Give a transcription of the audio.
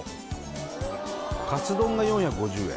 カツ丼が４５０円